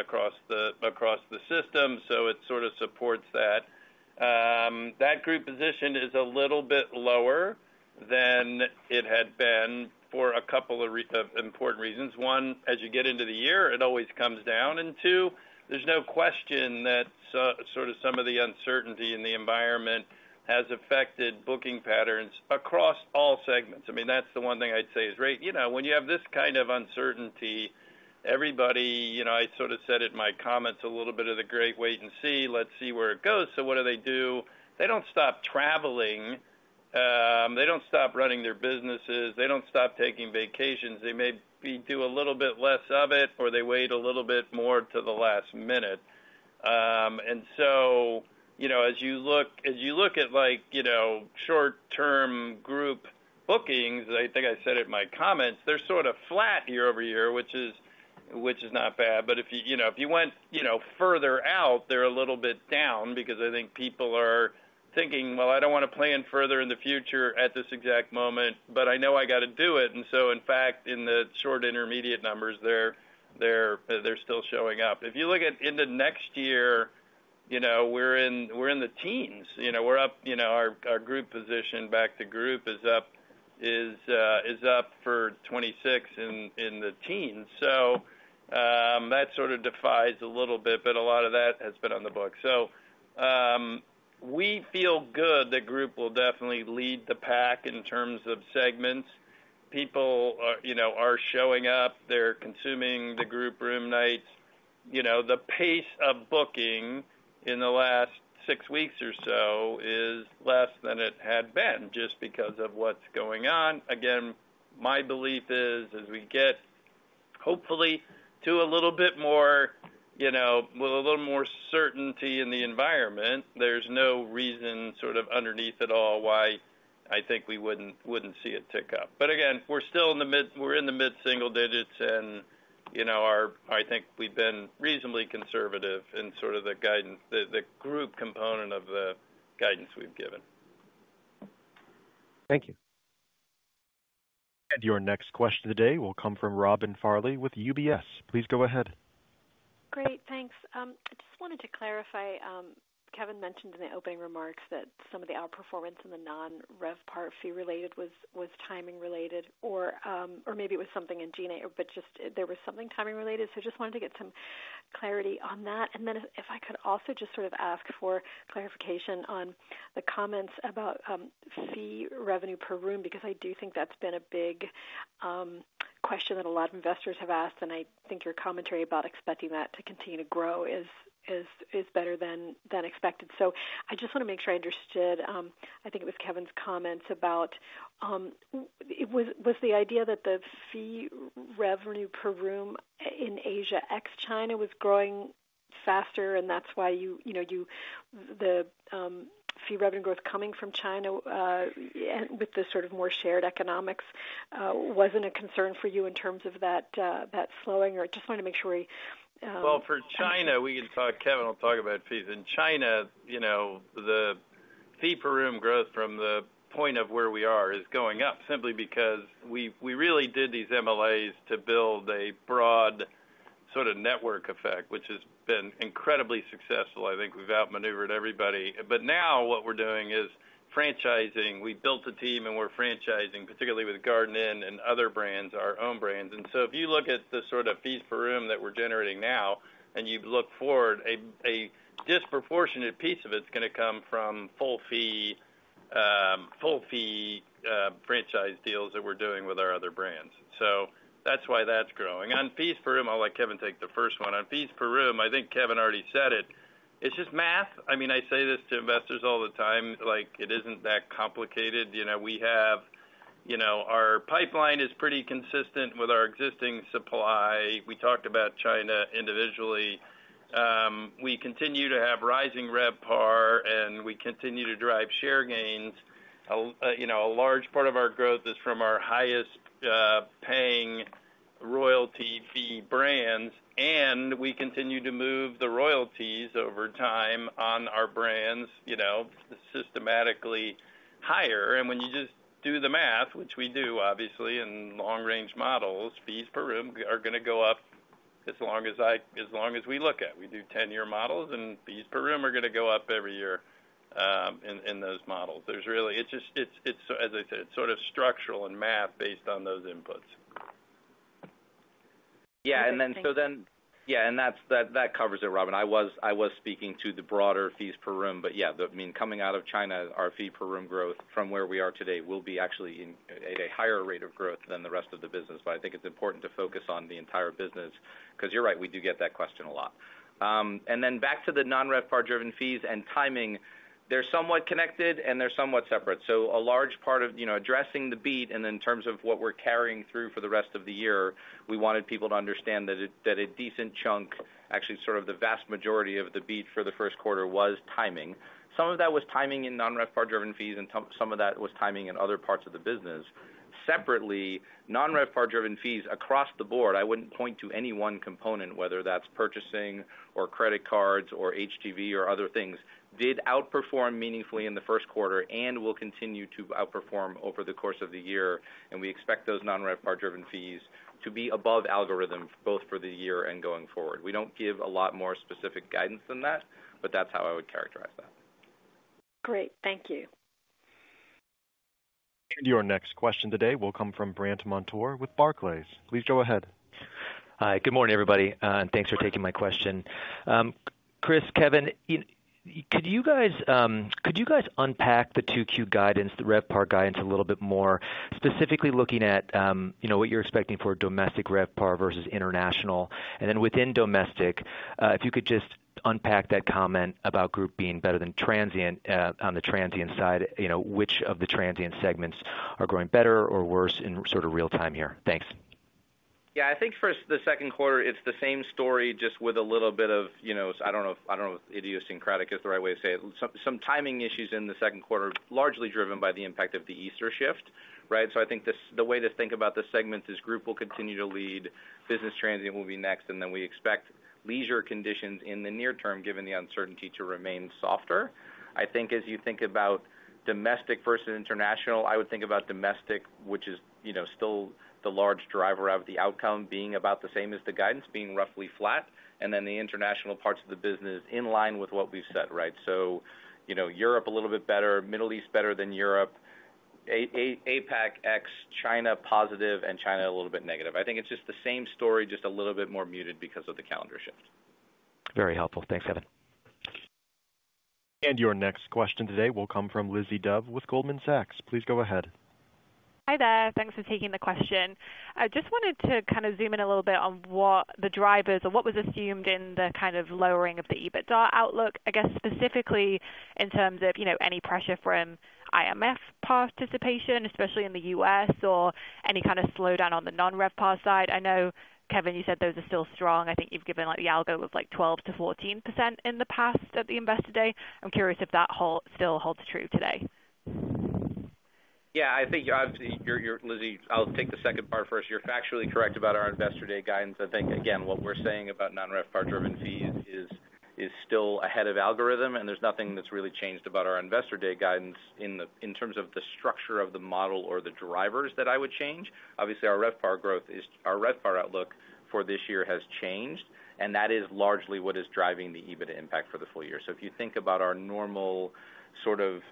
across the system, so it sort of supports that. That group position is a little bit lower than it had been for a couple of important reasons. One, as you get into the year, it always comes down. There is no question that sort of some of the uncertainty in the environment has affected booking patterns across all segments. I mean, that's the one thing I'd say is, right, when you have this kind of uncertainty, everybody—I sort of said it in my comments—a little bit of the great wait and see. Let's see where it goes. What do they do? They do not stop traveling. They do not stop running their businesses. They do not stop taking vacations. They maybe do a little bit less of it, or they wait a little bit more to the last minute. As you look at short-term group bookings, I think I said it in my comments, they are sort of flat year-over-year, which is not bad. If you went further out, they're a little bit down because I think people are thinking, "Well, I don't want to plan further in the future at this exact moment, but I know I got to do it." In fact, in the short intermediate numbers, they're still showing up. If you look at into next year, we're in the teens. We're up. Our group position, back to group, is up for 2026 in the teens. That sort of defies a little bit, but a lot of that has been on the books. We feel good that group will definitely lead the pack in terms of segments. People are showing up. They're consuming the group room nights. The pace of booking in the last six weeks or so is less than it had been just because of what's going on. Again, my belief is, as we get hopefully to a little bit more with a little more certainty in the environment, there's no reason sort of underneath at all why I think we wouldn't see it tick up. Again, we're still in the mid-single digits. I think we've been reasonably conservative in sort of the group component of the guidance we've given. Thank you. Your next question today will come from Robin Farley with UBS. Please go ahead. Great. Thanks. I just wanted to clarify. Kevin mentioned in the opening remarks that some of the outperformance in the non-RevPAR fee-related was timing-related, or maybe it was something in G&A, but just there was something timing-related. I just wanted to get some clarity on that. If I could also just sort of ask for clarification on the comments about fee revenue per room, because I do think that's been a big question that a lot of investors have asked, and I think your commentary about expecting that to continue to grow is better than expected. I just want to make sure I understood. I think it was Kevin's comments about was the idea that the fee revenue per room in Asia ex China was growing faster, and that's why the fee revenue growth coming from China with the sort of more shared economics wasn't a concern for you in terms of that slowing? I just wanted to make sure we. For China, we can talk—Kevin will talk about fees. In China, the fee per room growth from the point of where we are is going up simply because we really did these MLAs to build a broad sort of network effect, which has been incredibly successful. I think we've outmaneuvered everybody. Now what we're doing is franchising. We built a team, and we're franchising, particularly with Garden Inn and other brands, our own brands. If you look at the sort of fees per room that we're generating now and you look forward, a disproportionate piece of it's going to come from full-fee franchise deals that we're doing with our other brands. That's why that's growing. On fees per room, I'll let Kevin take the first one. On fees per room, I think Kevin already said it. It's just math. I mean, I say this to investors all the time. It isn't that complicated. We have our pipeline is pretty consistent with our existing supply. We talked about China individually. We continue to have rising RevPAR, and we continue to drive share gains. A large part of our growth is from our highest-paying royalty fee brands, and we continue to move the royalties over time on our brands systematically higher. When you just do the math, which we do, obviously, in long-range models, fees per room are going to go up as long as we look at. We do 10-year models, and fees per room are going to go up every year in those models. It's just, as I said, it's sort of structural and math based on those inputs. Yeah. And then so then. And that's. Yeah. That covers it, Robin. I was speaking to the broader fees per room, but yeah, I mean, coming out of China, our fee per room growth from where we are today will be actually at a higher rate of growth than the rest of the business. I think it's important to focus on the entire business because you're right. We do get that question a lot. Back to the non-RevPAR-driven fees and timing, they're somewhat connected, and they're somewhat separate. A large part of addressing the beat and in terms of what we're carrying through for the rest of the year, we wanted people to understand that a decent chunk, actually sort of the vast majority of the beat for the first quarter was timing. Some of that was timing in non-RevPAR-driven fees, and some of that was timing in other parts of the business. Separately, non-RevPAR-driven fees across the board—I wouldn't point to any one component, whether that's purchasing or credit cards or HGV or other things—did outperform meaningfully in the first quarter and will continue to outperform over the course of the year. We expect those non-RevPAR-driven fees to be above algorithm both for the year and going forward. We don't give a lot more specific guidance than that, but that's how I would characterize that. Great. Thank you. Your next question today will come from Brandt Montour with Barclays. Please go ahead. Hi. Good morning, everybody. Thanks for taking my question. Chris, Kevin, could you guys unpack the 2Q guidance, the RevPAR guidance a little bit more, specifically looking at what you're expecting for domestic RevPAR versus international? Within domestic, if you could just unpack that comment about Group being better than Transient, on the Transient side, which of the Transient segments are growing better or worse in sort of real-time here? Thanks. Yeah. I think for the second quarter, it's the same story just with a little bit of—I don't know if idiosyncratic is the right way to say it—some timing issues in the second quarter, largely driven by the impact of the Easter shift, right? I think the way to think about the segments is group will continue to lead, Business Transient will be next, and then we expect Leisure conditions in the near term given the uncertainty to remain softer. I think as you think about domestic versus international, I would think about domestic, which is still the large driver of the outcome being about the same as the guidance, being roughly flat, and then the international parts of the business in line with what we've said, right? Europe a little bit better, Middle East better than Europe, APAC ex China positive, and China a little bit negative. I think it's just the same story, just a little bit more muted because of the calendar shift. Very helpful. Thanks, Kevin. Your next question today will come from Lizzie Dove with Goldman Sachs. Please go ahead. Hi there. Thanks for taking the question. I just wanted to kind of zoom in a little bit on what the drivers or what was assumed in the kind of lowering of the EBITDA outlook, I guess, specifically in terms of any pressure from IMF participation, especially in the U.S., or any kind of slowdown on the non-RevPAR side. I know, Kevin, you said those are still strong. I think you've given the algo of 12%-14% in the past at the investor day. I'm curious if that still holds true today. Yeah. I think, Lizzie, I'll take the second part first. You're factually correct about our investor day guidance. I think, again, what we're saying about non-RevPAR-driven fees is still ahead of algorithm, and there's nothing that's really changed about our investor day guidance in terms of the structure of the model or the drivers that I would change. Obviously, our RevPAR outlook for this year has changed, and that is largely what is driving the EBITDA impact for the full year. If you think about our normal sort of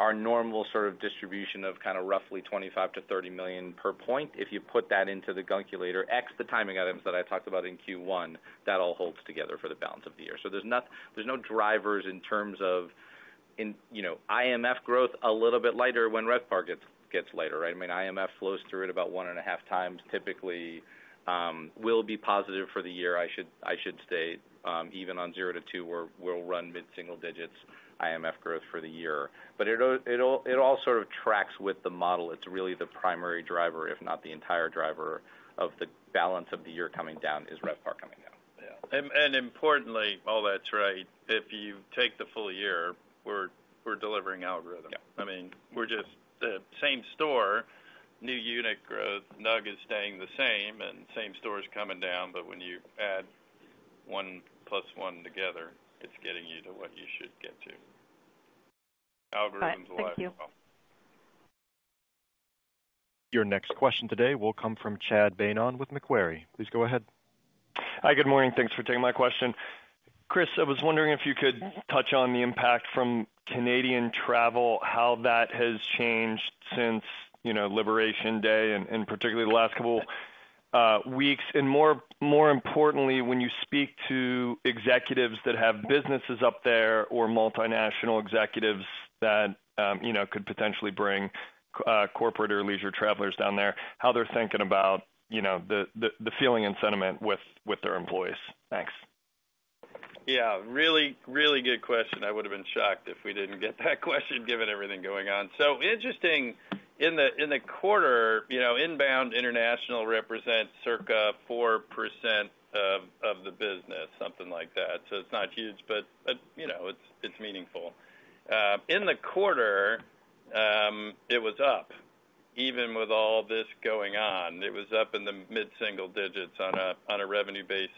our normal sort of distribution of kind of roughly $25 million-$30 million per point, if you put that into the calculator ex the timing items that I talked about in Q1, that all holds together for the balance of the year. There's no drivers in terms of IMF growth a little bit lighter when RevPAR gets lighter, right? I mean, IMF flows through it about one and a half times typically will be positive for the year. I should say even on zero to two, we'll run mid-single digits IMF growth for the year. It all sort of tracks with the model. It's really the primary driver, if not the entire driver, of the balance of the year coming down is RevPAR coming down. Yeah. Importantly, all that's right. If you take the full year, we're delivering algorithm. I mean, we're just the same store, new unit growth, NUG is staying the same, and same store is coming down. When you add one plus one together, it's getting you to what you should get to. Algorithms will act as well. Thank you. Your next question today will come from Chad Beynon with Macquarie. Please go ahead. Hi. Good morning. Thanks for taking my question. Chris, I was wondering if you could touch on the impact from Canadian travel, how that has changed since Liberation Day and particularly the last couple of weeks. More importantly, when you speak to executives that have businesses up there or multinational executives that could potentially bring corporate or leisure travelers down there, how they're thinking about the feeling and sentiment with their employees. Thanks. Yeah. Really, really good question. I would have been shocked if we didn't get that question given everything going on. Interesting. In the quarter, inbound international represents circa 4% of the business, something like that. It is not huge, but it is meaningful. In the quarter, it was up. Even with all this going on, it was up in the mid-single digits on a revenue basis.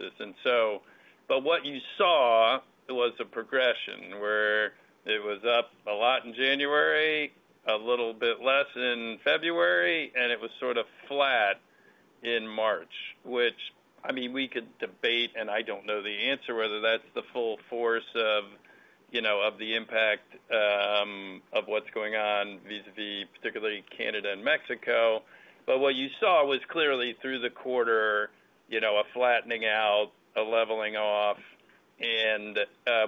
What you saw was a progression where it was up a lot in January, a little bit less in February, and it was sort of flat in March, which I mean, we could debate, and I don't know the answer whether that is the full force of the impact of what is going on vis-à-vis particularly Canada and Mexico. What you saw was clearly through the quarter, a flattening out, a leveling off.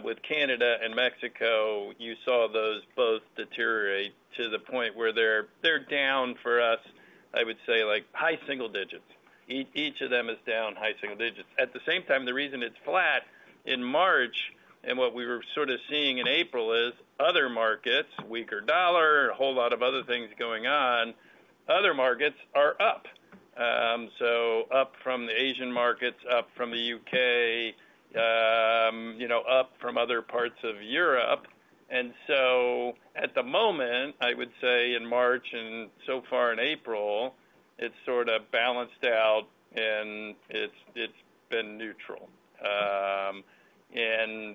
With Canada and Mexico, you saw those both deteriorate to the point where they're down for us, I would say, high single digits. Each of them is down high single digits. At the same time, the reason it's flat in March and what we were sort of seeing in April is other markets, weaker dollar, a whole lot of other things going on, other markets are up. Up from the Asian markets, up from the U.K., up from other parts of Europe. At the moment, I would say in March and so far in April, it's sort of balanced out, and it's been neutral.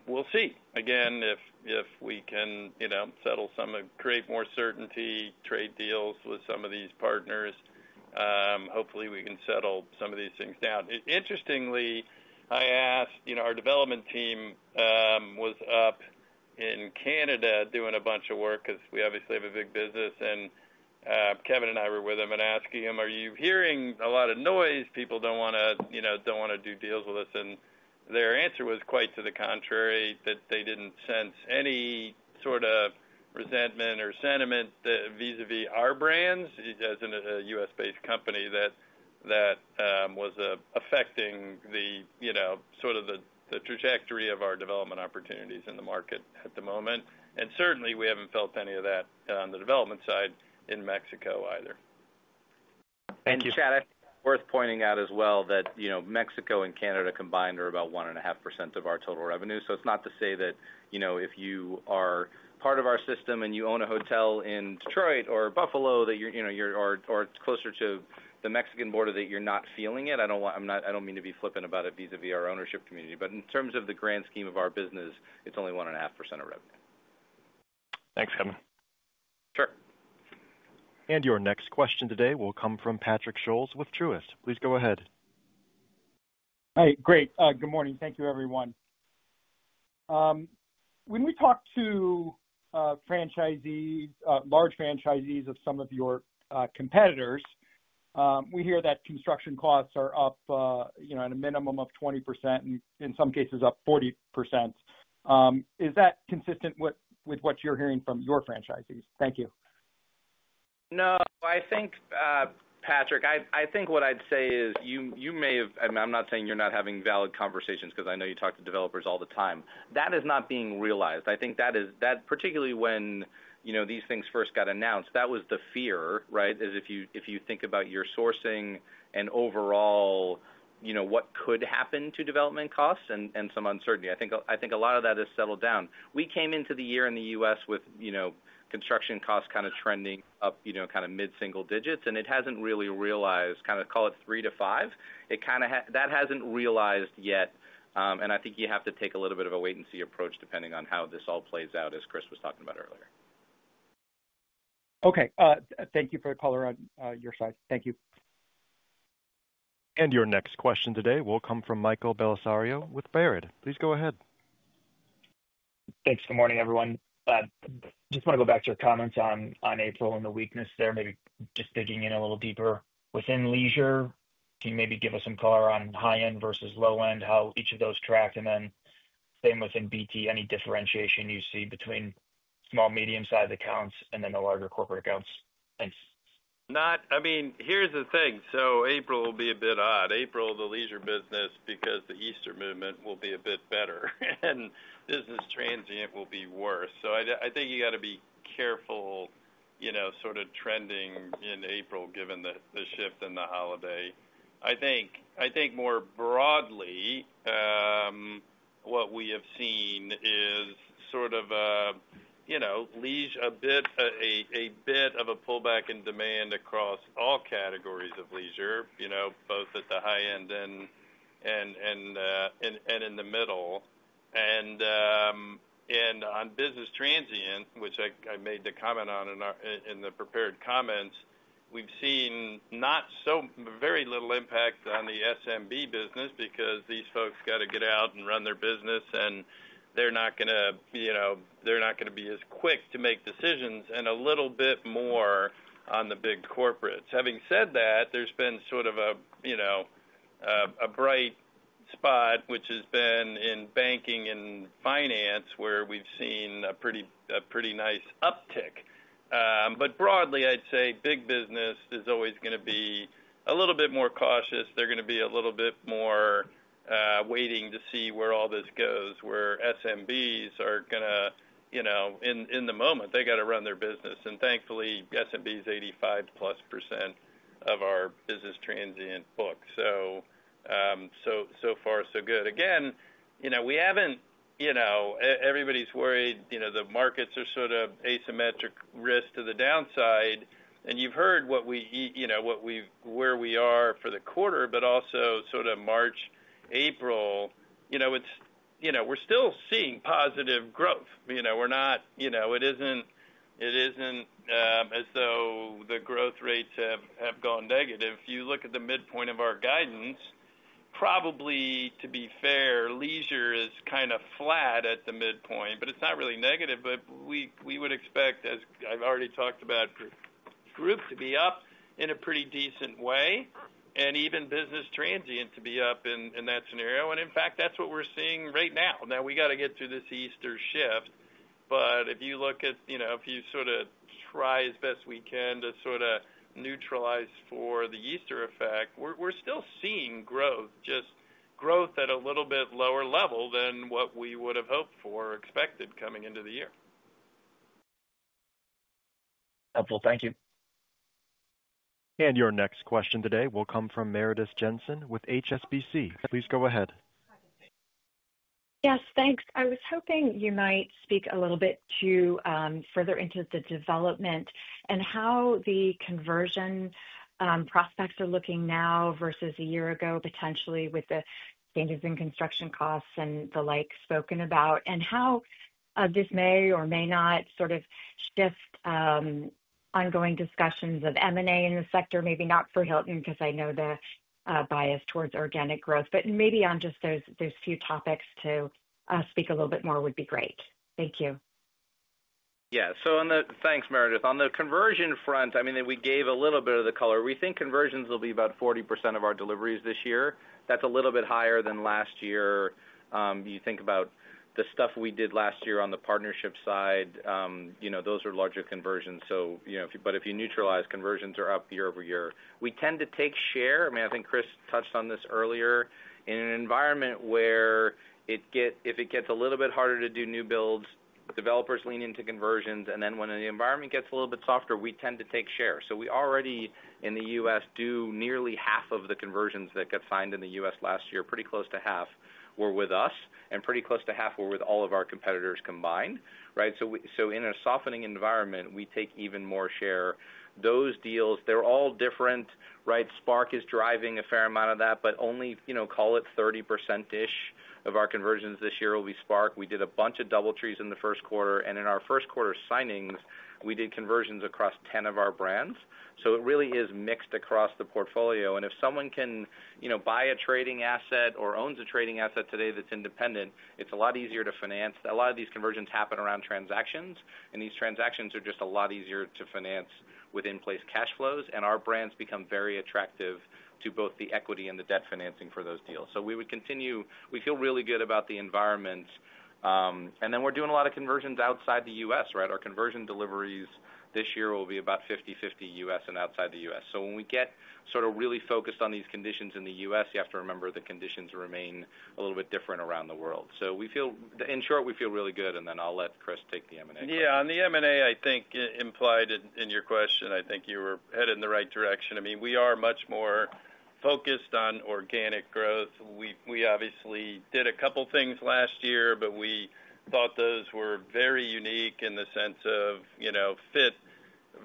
We'll see, again, if we can settle some and create more certainty, trade deals with some of these partners. Hopefully, we can settle some of these things down. Interestingly, I asked our development team, was up in Canada doing a bunch of work because we obviously have a big business. Kevin and I were with them and asking them, "Are you hearing a lot of noise? People don't want to do deals with us." Their answer was quite to the contrary, that they didn't sense any sort of resentment or sentiment vis-à-vis our brands as a U.S.-based company that was affecting sort of the trajectory of our development opportunities in the market at the moment. Certainly, we haven't felt any of that on the development side in Mexico either. Thank you. Chad, I think it's worth pointing out as well that Mexico and Canada combined are about 1.5% of our total revenue. It's not to say that if you are part of our system and you own a hotel in Detroit or Buffalo or it's closer to the Mexican border that you're not feeling it. I don't mean to be flippant about it vis-à-vis our ownership community. In terms of the grand scheme of our business, it's only 1.5% of revenue. Thanks, Kevin. Sure. Your next question today will come from Patrick Scholes with Truist. Please go ahead. Hi. Great. Good morning. Thank you, everyone. When we talk to large franchisees of some of your competitors, we hear that construction costs are up at a minimum of 20% and in some cases up 40%. Is that consistent with what you're hearing from your franchisees? Thank you. No. Patrick, I think what I'd say is you may have—I am not saying you're not having valid conversations because I know you talk to developers all the time. That is not being realized. I think that particularly when these things first got announced, that was the fear, right, is if you think about your sourcing and overall what could happen to development costs and some uncertainty. I think a lot of that has settled down. We came into the year in the U.S. with construction costs kind of trending up kind of mid-single digits, and it has not really realized kind of call it 3%-5%. That has not realized yet. I think you have to take a little bit of a wait-and-see approach depending on how this all plays out, as Chris was talking about earlier. Okay. Thank you for the color on your side. Thank you. Your next question today will come from Michael Bellisario with Baird. Please go ahead. Thanks. Good morning, everyone. Just want to go back to your comments on April and the weakness there, maybe just digging in a little deeper. Within Leisure, can you maybe give us some color on high-end versus low-end, how each of those track? Then same within BT, any differentiation you see between small, medium-sized accounts and then the larger corporate accounts? Thanks. I mean, here's the thing. April will be a bit odd. April, the Leisure business, because the Easter movement will be a bit better, and Business Transient will be worse. I think you got to be careful sort of trending in April given the shift in the holiday. I think more broadly, what we have seen is sort of a leisure, a bit of a pullback in demand across all categories of Leisure, both at the high end and in the middle. And on Business Transient, which I made the comment on in the prepared comments, we've seen very little impact on the SMB business because these folks got to get out and run their business, and they're not going to—they're not going to be as quick to make decisions and a little bit more on the big corporates. Having said that, there's been sort of a bright spot, which has been in banking and finance, where we've seen a pretty nice uptick. Broadly, I'd say big business is always going to be a little bit more cautious. They're going to be a little bit more waiting to see where all this goes, where SMBs are going to—in the moment, they got to run their business. Thankfully, SMB is 85%+ of our Business Transient book. So far, so good. Again, we haven't—everybody's worried the markets are sort of asymmetric risk to the downside. You've heard what we—where we are for the quarter, but also sort of March-April. We're still seeing positive growth. We're not—it isn't as though the growth rates have gone negative. If you look at the midpoint of our guidance, probably to be fair, Leisure is kind of flat at the midpoint, but it's not really negative. We would expect, as I've already talked about, group to be up in a pretty decent way and even Business Transient to be up in that scenario. In fact, that's what we're seeing right now. Now, we got to get through this Easter shift. If you look at—if you sort of try as best we can to sort of neutralize for the Easter effect, we're still seeing growth, just growth at a little bit lower level than what we would have hoped for or expected coming into the year. Helpful. Thank you. Your next question today will come from Meredith Jensen with HSBC. Please go ahead. Yes. Thanks. I was hoping you might speak a little bit further into the development and how the conversion prospects are looking now versus a year ago, potentially with the changes in construction costs and the like spoken about, and how this may or may not sort of shift ongoing discussions of M&A in the sector, maybe not for Hilton because I know the bias towards organic growth. Maybe on just those few topics to speak a little bit more would be great. Thank you. Yeah. Thanks, Meredith. On the conversion front, I mean, we gave a little bit of the color. We think conversions will be about 40% of our deliveries this year. That's a little bit higher than last year. You think about the stuff we did last year on the partnership side, those are larger conversions. If you neutralize, conversions are up year-over-year. We tend to take share. I mean, I think Chris touched on this earlier. In an environment where if it gets a little bit harder to do new builds, developers lean into conversions. When the environment gets a little bit softer, we tend to take share. We already in the U.S. do nearly half of the conversions that got signed in the U.S. last year, pretty close to half were with us and pretty close to half were with all of our competitors combined, right? In a softening environment, we take even more share. Those deals, they're all different, right? Spark is driving a fair amount of that, but only, call it, 30%-ish of our conversions this year will be Spark. We did a bunch of DoubleTrees in the first quarter. In our first quarter signings, we did conversions across 10 of our brands. It really is mixed across the portfolio. If someone can buy a trading asset or owns a trading asset today that's independent, it's a lot easier to finance. A lot of these conversions happen around transactions, and these transactions are just a lot easier to finance with in-place cash flows. Our brands become very attractive to both the equity and the debt financing for those deals. We would continue—we feel really good about the environment. We are doing a lot of conversions outside the U.S., right? Our conversion deliveries this year will be about 50/50 U.S. and outside the U.S. When we get sort of really focused on these conditions in the U.S., you have to remember the conditions remain a little bit different around the world. In short, we feel really good. I'll let Chris take the M&A question. Yeah. On the M&A, I think implied in your question, I think you were headed in the right direction. I mean, we are much more focused on organic growth. We obviously did a couple of things last year, but we thought those were very unique in the sense of fit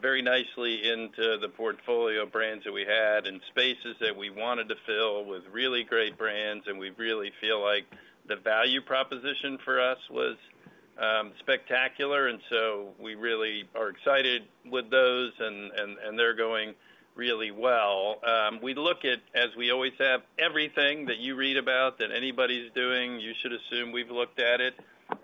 very nicely into the portfolio brands that we had and spaces that we wanted to fill with really great brands. We really feel like the value proposition for us was spectacular. We really are excited with those, and they're going really well. We look at, as we always have, everything that you read about that anybody's doing. You should assume we've looked at it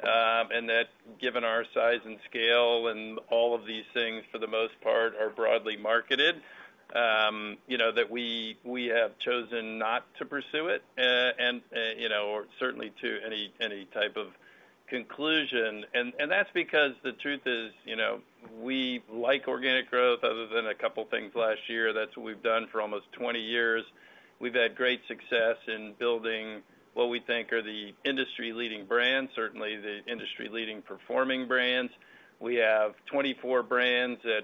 and that, given our size and scale and all of these things for the most part are broadly marketed, we have chosen not to pursue it or certainly to any type of conclusion. That's because the truth is we like organic growth other than a couple of things last year. That's what we've done for almost 20 years. We've had great success in building what we think are the industry-leading brands, certainly the industry-leading performing brands. We have 24 brands that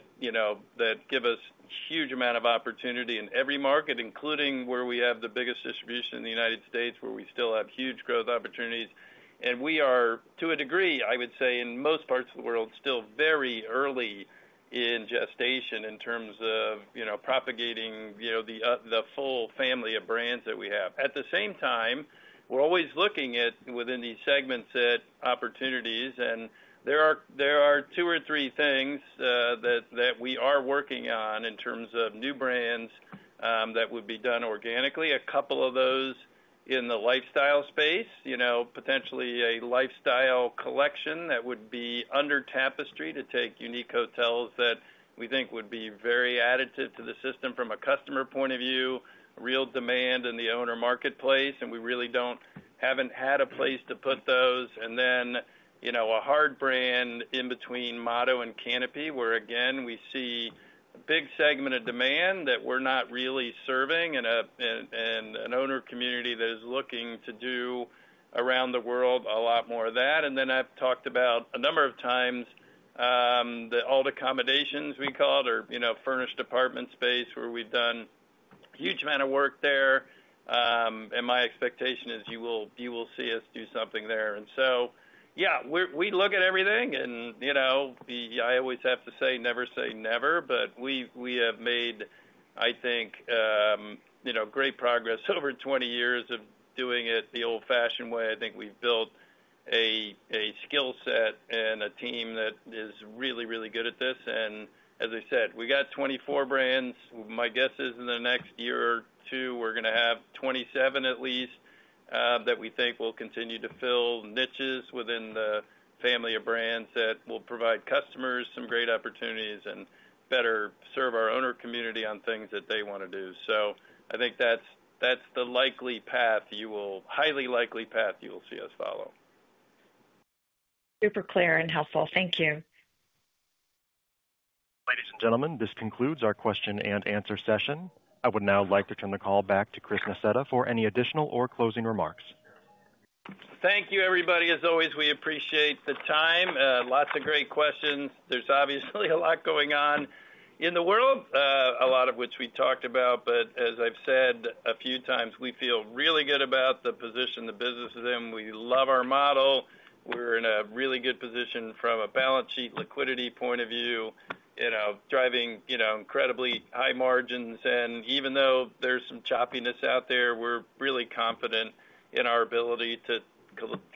give us a huge amount of opportunity in every market, including where we have the biggest distribution in the United States, where we still have huge growth opportunities. We are, to a degree, I would say in most parts of the world, still very early in gestation in terms of propagating the full family of brands that we have. At the same time, we're always looking at, within these segments, at opportunities. There are two or three things that we are working on in terms of new brands that would be done organically. A couple of those in the lifestyle space, potentially a lifestyle collection that would be under Tapestry to take unique hotels that we think would be very additive to the system from a customer point of view, real demand in the owner marketplace. We really have not had a place to put those. A hard brand in between Motto and Canopy where, again, we see a big segment of demand that we are not really serving and an owner community that is looking to do around the world a lot more of that. I have talked about a number of times the old accommodations, we call it, or furnished apartment space where we have done a huge amount of work there. My expectation is you will see us do something there. Yeah, we look at everything. I always have to say, never say never, but we have made, I think, great progress over 20 years of doing it the old-fashioned way. I think we've built a skill set and a team that is really, really good at this. As I said, we got 24 brands. My guess is in the next year or two, we're going to have 27 at least that we think will continue to fill niches within the family of brands that will provide customers some great opportunities and better serve our owner community on things that they want to do. I think that's the likely path, highly likely path you will see us follow. Super clear and helpful. Thank you. Ladies and gentlemen, this concludes our question and answer session. I would now like to turn the call back to Chris Nassetta for any additional or closing remarks. Thank you, everybody. As always, we appreciate the time. Lots of great questions. There is obviously a lot going on in the world, a lot of which we talked about. As I've said a few times, we feel really good about the position the business is in. We love our model. We're in a really good position from a balance sheet liquidity point of view, driving incredibly high margins. Even though there is some choppiness out there, we're really confident in our ability to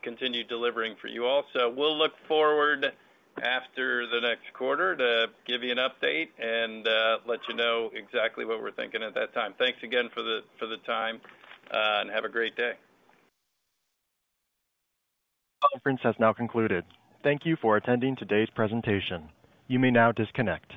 continue delivering for you also. We'll look forward after the next quarter to give you an update and let you know exactly what we're thinking at that time. Thanks again for the time, and have a great day. Conference has now concluded. Thank you for attending today's presentation. You may now disconnect.